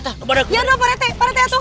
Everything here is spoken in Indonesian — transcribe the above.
ya udah pak rete pak rete atuh